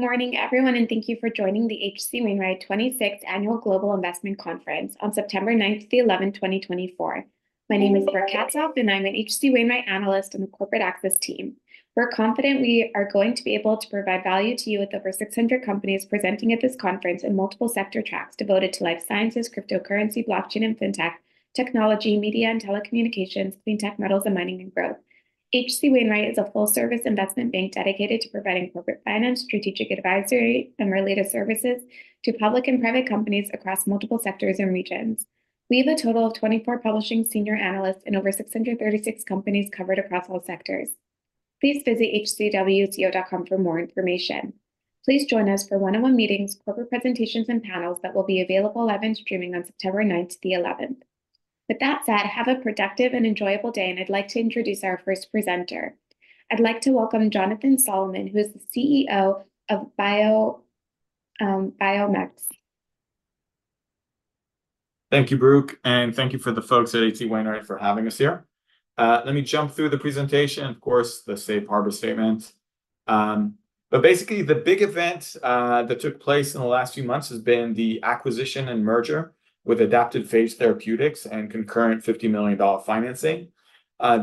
Good morning, everyone, and thank you for joining the HC Wainwright 26th Annual Global Investment Conference on September 9th-11th, 2024. My name is Brooke Katsaf, and I'm an HC Wainwright analyst on the corporate access team. We're confident we are going to be able to provide value to you with over 600 companies presenting at this conference in multiple sector tracks devoted to life sciences, cryptocurrency, blockchain, and fintech, technology, media and telecommunications, clean tech, metals and mining, and growth. HC Wainwright is a full-service investment bank dedicated to providing corporate finance, strategic advisory, and related services to public and private companies across multiple sectors and regions. We have a total of 24 publishing senior analysts and over 636 companies covered across all sectors. Please visit hcwco.com for more information. Please join us for one-on-one meetings, corporate presentations, and panels that will be available live and streaming on September 9th-11th. With that said, have a productive and enjoyable day, and I'd like to introduce our first presenter. I'd like to welcome Jonathan Solomon, who is the CEO of BiomX. Thank you, Brooke, and thank you for the folks at H.C. Wainwright for having us here. Let me jump through the presentation. Of course, the safe harbor statement. But basically, the big event that took place in the last few months has been the acquisition and merger with Adaptive Phage Therapeutics and concurrent $50 million financing.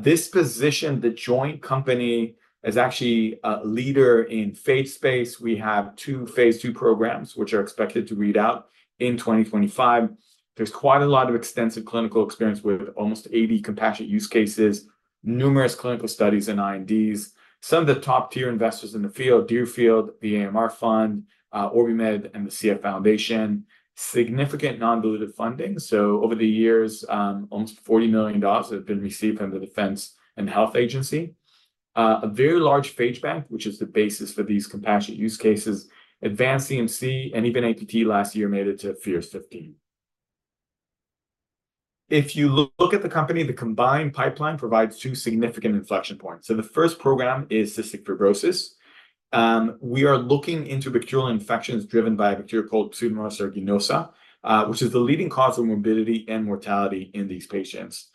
This position, the joint company, is actually a leader in phage space. We have two Phase II programs, which are expected to read out in 2025. There's quite a lot of extensive clinical experience with almost 80 compassionate use cases, numerous clinical studies and INDs. Some of the top-tier investors in the field, Deerfield, the AMR Fund, OrbiMed, and the CF Foundation. Significant non-dilutive funding, so over the years, almost $40 million have been received from the Defense Health Agency. A very large phage bank, which is the basis for these compassionate use cases, advanced CMC, and even APT last year made it to Fierce 15. If you look at the company, the combined pipeline provides two significant inflection points, so the first program is cystic fibrosis. We are looking into bacterial infections driven by a bacteria called Pseudomonas aeruginosa, which is the leading cause of morbidity and mortality in these patients.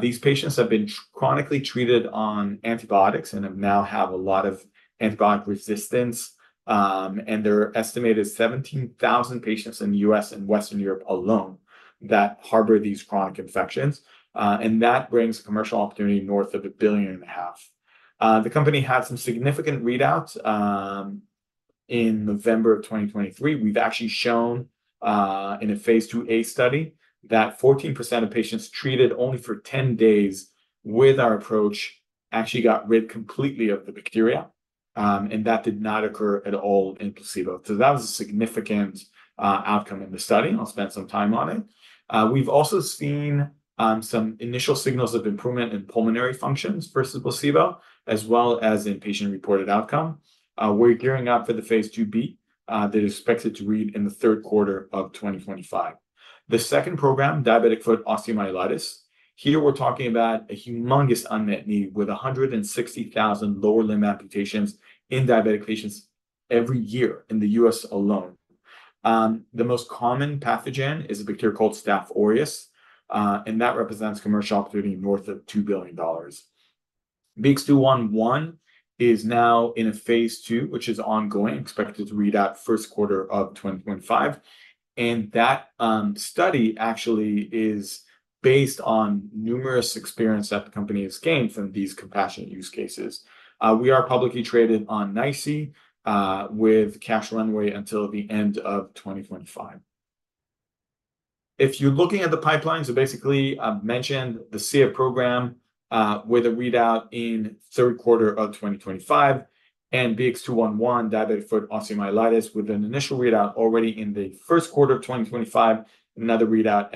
These patients have been chronically treated on antibiotics and now have a lot of antibiotic resistance, and there are estimated 17,000 patients in the U.S. and Western Europe alone that harbor these chronic infections, and that brings commercial opportunity north of $1.5 billion. The company had some significant readouts. In November 2023 we've actually shown, in a Phase II-A Study, that 14% of patients treated only for 10 days with our approach actually got rid completely of the bacteria, and that did not occur at all in placebo. So that was a significant outcome in the study, and I'll spend some time on it. We've also seen some initial signals of improvement in pulmonary functions versus placebo, as well as in patient-reported outcome. We're gearing up for the Phase II-B, that is expected to read in the third quarter of 2025. The second program, diabetic foot osteomyelitis. Here we're talking about a humongous unmet need, with 160,000 lower limb amputations in diabetic patients every year in the U.S. alone. The most common pathogen is a bacteria called Staph aureus, and that represents commercial opportunity north of $2 billion. BX211 is now in a Phase II, which is ongoing, expected to read out first quarter of 2025, and that study actually is based on numerous experience that the company has gained from these compassionate use cases. We are publicly traded on NYSE, with cash runway until the end of 2025. If you're looking at the pipeline, so basically, I've mentioned the CF program, with a readout in third quarter of 2025, and BX211, diabetic foot osteomyelitis, with an initial readout already in the first quarter of 2025, another readout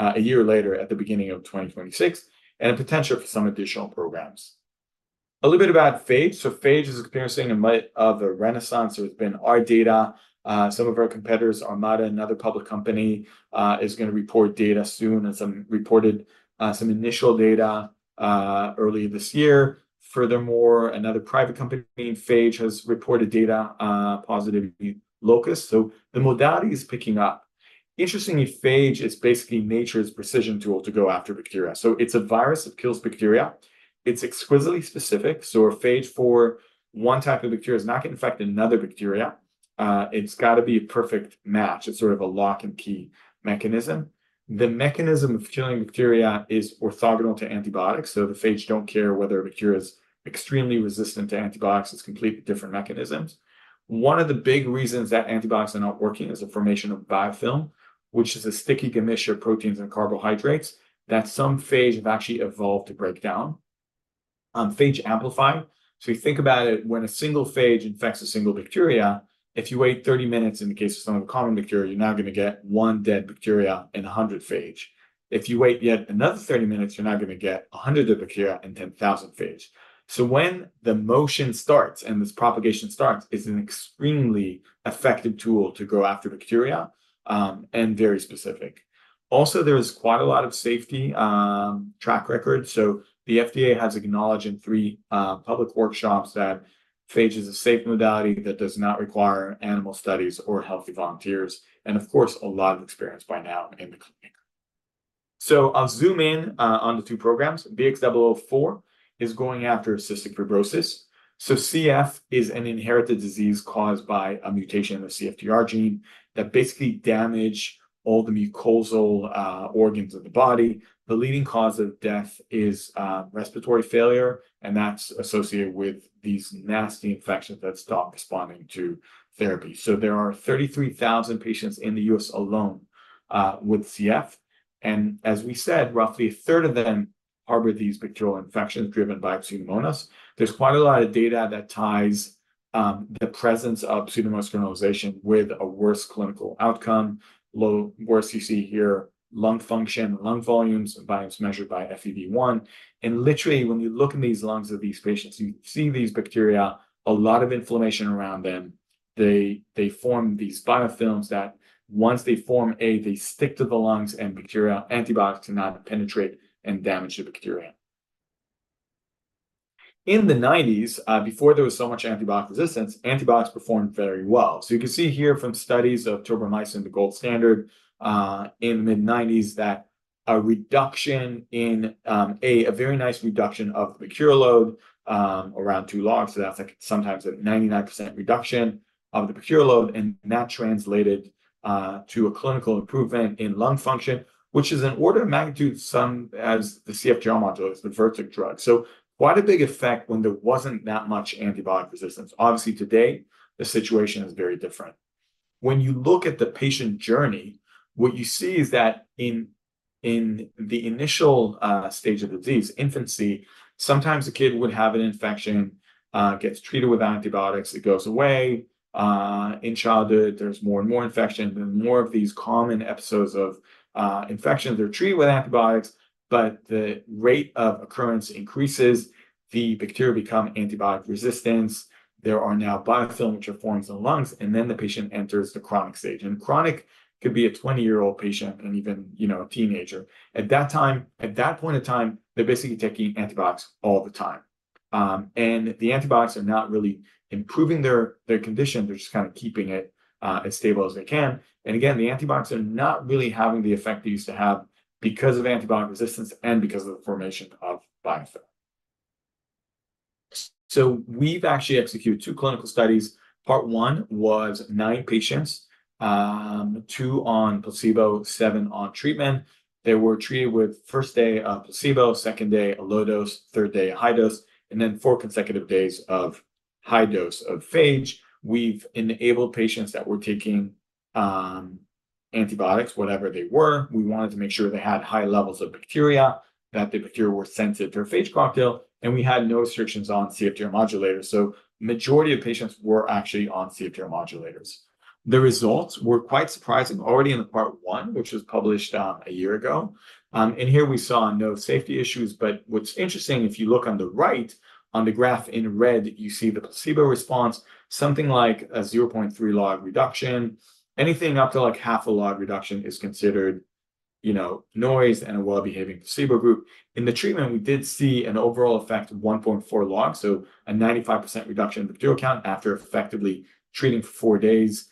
a year later, at the beginning of 2026, and a potential for some additional programs. A little bit about phage. So phage is experiencing a renaissance. There's been our data, some of our competitors, Armata, another public company, is gonna report data soon, and some reported some initial data early this year. Furthermore, another private company, Phage, has reported data positive in Locus, so the modality is picking up. Interestingly, phage is basically nature's precision tool to go after bacteria. So it's a virus that kills bacteria. It's exquisitely specific, so a phage for one type of bacteria is not gonna infect another bacteria. It's got to be a perfect match. It's sort of a lock-and-key mechanism. The mechanism of killing bacteria is orthogonal to antibiotics, so the phage don't care whether a bacteria is extremely resistant to antibiotics. It's completely different mechanisms. One of the big reasons that antibiotics are not working is the formation of biofilm, which is a sticky mixture of proteins and carbohydrates that some phage have actually evolved to break down. Phage amplify, so you think about it, when a single phage infects a single bacteria, if you wait 30 minutes, in the case of some of the common bacteria, you're now gonna get one dead bacteria and 100 phage. If you wait yet another 30 minutes, you're now gonna get 100 of bacteria and 10,000 phage. So when the motion starts and this propagation starts, it's an extremely effective tool to go after bacteria, and very specific. Also, there is quite a lot of safety, track record. So the FDA has acknowledged in three public workshops that phage is a safe modality that does not require animal studies or healthy volunteers, and of course, a lot of experience by now in the clinic. So I'll zoom in on the two programs. BX004 is going after cystic fibrosis. So CF is an inherited disease caused by a mutation in the CFTR gene that basically damage all the mucosal organs of the body. The leading cause of death is respiratory failure, and that's associated with these nasty infections that stop responding to therapy. So there are 33,000 patients in the U.S. alone with CF, and as we said, roughly 1/3 of them harbor these bacterial infections driven by Pseudomonas. There's quite a lot of data that ties the presence of Pseudomonas colonization with a worse clinical outcome, lower, worse. You see here lung function, lung volumes, and volumes measured by FEV1. Literally, when you look in these lungs of these patients, you see these bacteria, a lot of inflammation around them. They form these biofilms that once they form, they stick to the lungs and bacteria, antibiotics cannot penetrate and damage the bacteria. In the '90s, before there was so much antibiotic resistance, antibiotics performed very well. You can see here from studies of tobramycin, the gold standard, in the mid-'90s, that a reduction in a very nice reduction of the bacterial load around two logs. So that's like sometimes a 99% reduction of the bacterial load, and that translated to a clinical improvement in lung function, which is an order of magnitude same as the CFTR modulators, the Vertex drug. Quite a big effect when there wasn't that much antibiotic resistance. Obviously, today, the situation is very different. When you look at the patient journey, what you see is that in the initial stage of the disease, infancy, sometimes a kid would have an infection, gets treated with antibiotics, it goes away. In childhood, there's more and more infections and more of these common episodes of infections. They're treated with antibiotics, but the rate of occurrence increases. The bacteria become antibiotic resistant. There are now biofilms, which are forming in the lungs, and then the patient enters the chronic stage. Chronic could be a 20-year-old patient and even, you know, a teenager. At that time, at that point in time, they're basically taking antibiotics all the time, and the antibiotics are not really improving their condition. They're just kind of keeping it as stable as they can. Again, the antibiotics are not really having the effect they used to have because of antibiotic resistance and because of the formation of biofilm. We've actually executed two clinical studies. Part one was nine patients, two on placebo, seven on treatment. They were treated with first day of placebo, second day, a low dose, third day, a high dose, and then four consecutive days of high dose of phage. We've enabled patients that were taking antibiotics, whatever they were. We wanted to make sure they had high levels of bacteria, that the bacteria were sensitive to our phage cocktail, and we had no restrictions on CFTR modulators. So majority of patients were actually on CFTR modulators. The results were quite surprising. Already in the part one, which was published a year ago, and here we saw no safety issues. But what's interesting, if you look on the right, on the graph in red, you see the placebo response, something like a zero point three log reduction. Anything up to, like, half a log reduction is considered, you know, noise and a well-behaving placebo group. In the treatment, we did see an overall effect of one point four log, so a 95% reduction in the bacterial count after effectively treating for four days.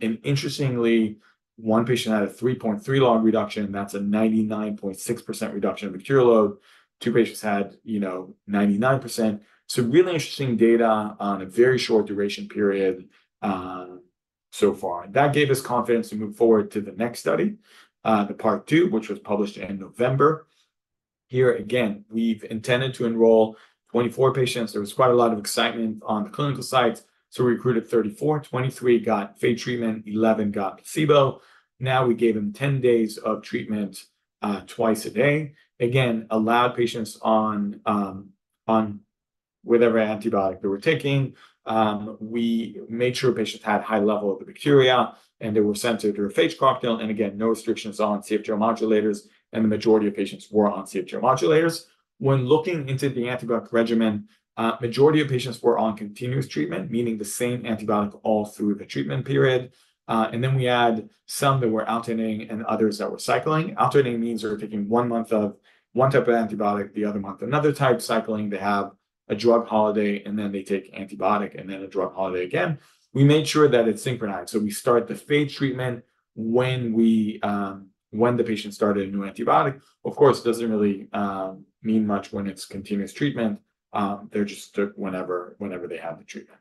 Interestingly, one patient had a 3.3 log reduction, that's a 99.6% reduction in bacterial load. Two patients had, you know, 99%. So really interesting data on a very short duration period, so far. That gave us confidence to move forward to the next study, the part two, which was published in November. Here again, we've intended to enroll 24 patients. There was quite a lot of excitement on the clinical sites, so we recruited 34, 23 got phage treatment, 11 got placebo. Now, we gave them 10 days of treatment, twice a day. Again, allowed patients on whatever antibiotic they were taking. We made sure patients had high level of the bacteria, and they were sensitive to our phage cocktail, and again, no restrictions on CFTR modulators, and the majority of patients were on CFTR modulators. When looking into the antibiotic regimen, majority of patients were on continuous treatment, meaning the same antibiotic all through the treatment period. Then we add some that were alternating and others that were cycling. Alternating means they were taking one month of one type of antibiotic, the other month, another type. Cycling, they have a drug holiday, and then they take antibiotic and then a drug holiday again. We made sure that it's synchronized, so we start the phage treatment when the patient started a new antibiotic. Of course, it doesn't really mean much when it's continuous treatment. They're just took whenever they had the treatment.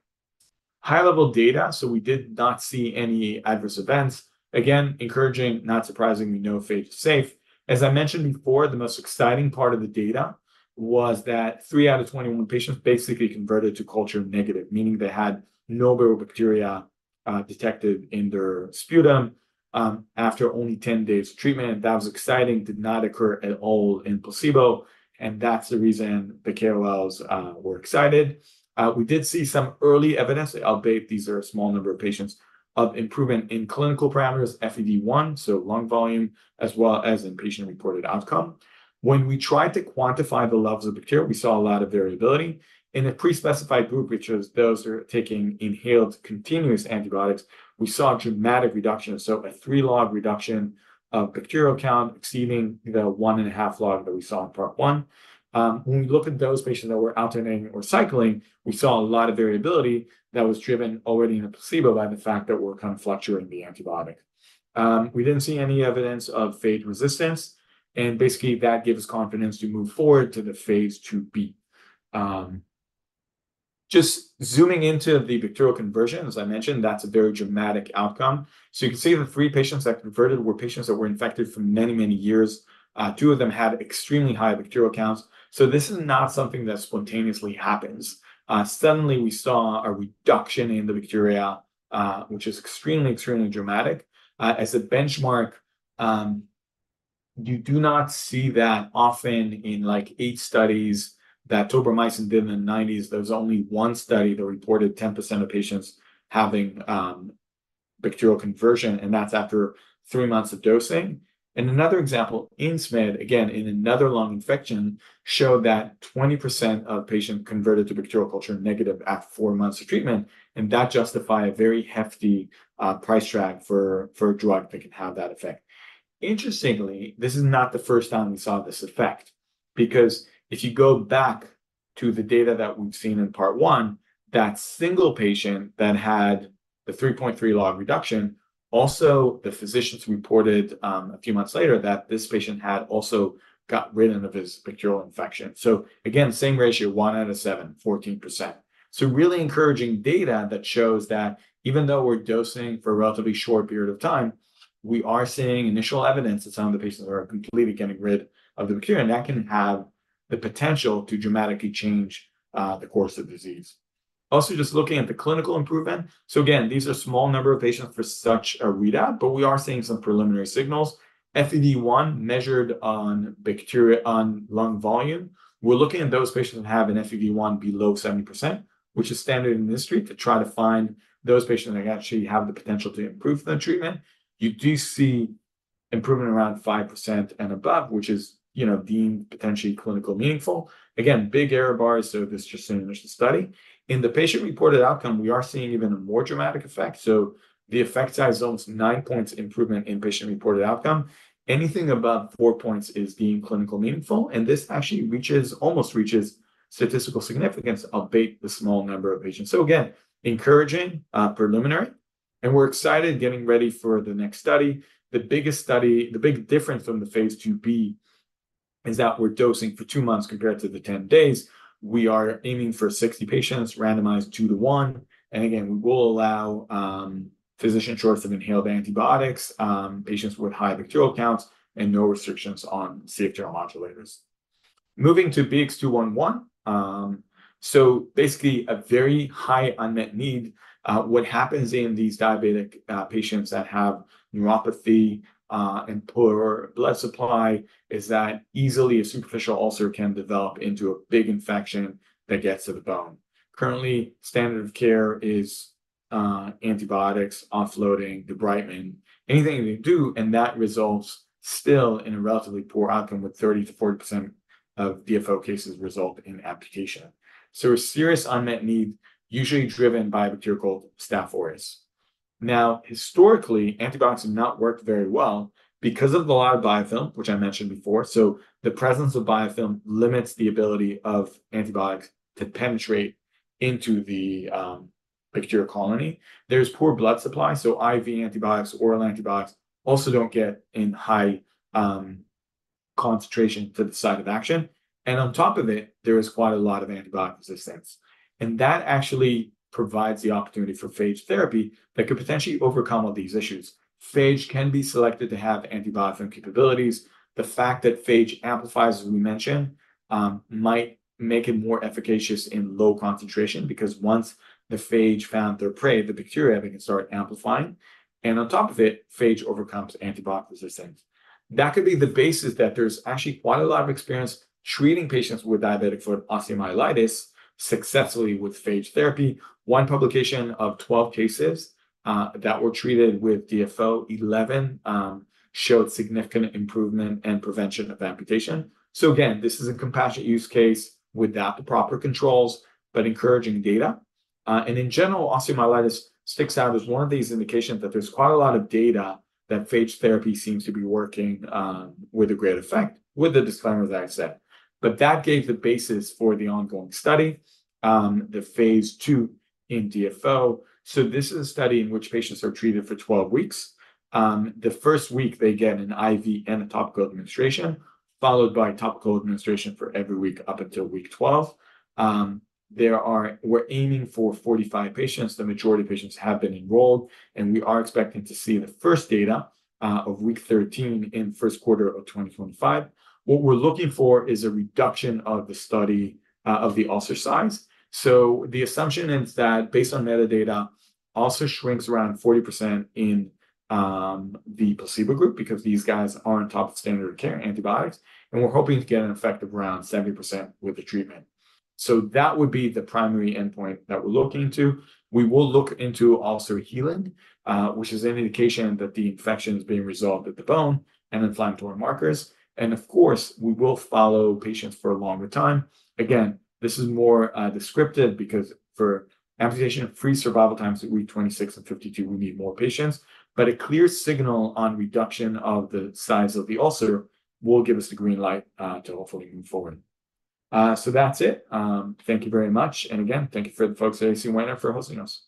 High-level data, so we did not see any adverse events. Again, encouraging, not surprisingly, no phage is safe. As I mentioned before, the most exciting part of the data was that three out of 21 patients basically converted to culture negative, meaning they had no bacterial bacteria detected in their sputum after only 10 days of treatment. That was exciting, did not occur at all in placebo, and that's the reason the KOLs were excited. We did see some early evidence, albeit these are a small number of patients, of improvement in clinical parameters, FEV1, so lung volume, as well as in patient-reported outcome. When we tried to quantify the levels of bacteria, we saw a lot of variability. In a pre-specified group, which was those who are taking inhaled continuous antibiotics, we saw a dramatic reduction, so a three-log reduction of bacterial count, exceeding the one and a half log that we saw in part one. When we look at those patients that were alternating or cycling, we saw a lot of variability that was driven already in the placebo by the fact that we're kind of fluctuating the antibiotic. We didn't see any evidence of phage resistance, and basically, that gave us confidence to move forward to the Phase II-B. Just zooming into the bacterial conversion, as I mentioned, that's a very dramatic outcome. So you can see the three patients that converted were patients that were infected for many, many years. Two of them had extremely high bacterial counts, so this is not something that spontaneously happens. Suddenly we saw a reduction in the bacteria, which is extremely, extremely dramatic. As a benchmark, you do not see that often in, like, eight studies that tobramycin did in the 90s'. There was only one study that reported 10% of patients having bacterial conversion, and that's after three months of dosing. Another example, Insmed, again, in another lung infection, showed that 20% of patients converted to bacterial culture negative after four months of treatment, and that justify a very hefty price tag for a drug that can have that effect. Interestingly, this is not the first time we saw this effect, because if you go back to the data that we've seen in part one, that single patient that had the 3.3 log reduction, also, the physicians reported a few months later that this patient had also got rid of his bacterial infection. So again, same ratio, one out of seven, 14%. So really encouraging data that shows that even though we're dosing for a relatively short period of time, we are seeing initial evidence that some of the patients are completely getting rid of the bacteria, and that can have the potential to dramatically change the course of disease. Also, just looking at the clinical improvement, so again, these are small number of patients for such a readout, but we are seeing some preliminary signals. FEV1 measured on bacteria on lung volume. We're looking at those patients that have an FEV1 below 70%, which is standard in the industry, to try to find those patients that actually have the potential to improve their treatment. You do see improvement around 5% and above, which is, you know, deemed potentially clinical meaningful. Again, big error bars, so this is just an initial study. In the patient-reported outcome, we are seeing even a more dramatic effect. So the effect size is almost nine points improvement in patient-reported outcome. Anything above four points is deemed clinically meaningful, and this actually reaches, almost reaches statistical significance, albeit the small number of patients. So again, encouraging, preliminary, and we're excited, getting ready for the next study. The big difference from the Phase II-B is that we're dosing for two months compared to the 10 days. We are aiming for 60 patients, randomized 2-1, and again, we will allow short courses of inhaled antibiotics, patients with high bacterial counts, and no restrictions on CFTR modulators. Moving to BX211, so basically, a very high unmet need. What happens in these diabetic patients that have neuropathy and poor blood supply is that easily a superficial ulcer can develop into a big infection that gets to the bone. Currently, standard of care is antibiotics, offloading, debridement, anything they do, and that results still in a relatively poor outcome, with 30%-40% of DFO cases result in amputation. So a serious unmet need, usually driven by a bacterial Staph aureus. Now, historically, antibiotics have not worked very well because of the lot of biofilm, which I mentioned before. So the presence of biofilm limits the ability of antibiotics to penetrate into the bacterial colony. There's poor blood supply, so IV antibiotics, oral antibiotics also don't get in high concentration to the site of action. On top of it, there is quite a lot of antibiotic resistance, and that actually provides the opportunity for phage therapy that could potentially overcome all these issues. Phage can be selected to have antibiotic capabilities. The fact that phage amplifies, as we mentioned, might make it more efficacious in low concentration, because once the phage found their prey, the bacteria, they can start amplifying, and on top of it, phage overcomes antibiotic resistance. That could be the basis that there's actually quite a lot of experience treating patients with diabetic foot osteomyelitis successfully with phage therapy. One publication of 12 cases that were treated with DFO, 11 showed significant improvement and prevention of amputation. So again, this is a compassionate use case without the proper controls, but encouraging data. In general, osteomyelitis sticks out as one of these indications that there's quite a lot of data that phage therapy seems to be working with a great effect, with the disclaimer that I said. But that gave the basis for the ongoing study, the Phase II in DFO. So this is a study in which patients are treated for 12 weeks. The first week, they get an IV and a topical administration, followed by topical administration for every week up until week 12. We're aiming for 45 patients. The majority of patients have been enrolled, and we are expecting to see the first data of week 13 in first quarter of 2025. What we're looking for is a reduction of the study of the ulcer size. So the assumption is that based on metadata, ulcer shrinks around 40% in the placebo group, because these guys are on top of standard care antibiotics, and we're hoping to get an effect of around 70% with the treatment. So that would be the primary endpoint that we're looking into. We will look into ulcer healing, which is an indication that the infection is being resolved at the bone and inflammatory markers, and of course, we will follow patients for a longer time. Again, this is more descriptive, because for amputation and free survival times at week 26 and 52, we need more patients. But a clear signal on reduction of the size of the ulcer will give us the green light to hopefully move forward. So that's it. Thank you very much, and again, thank you for the folks at HCW for hosting us.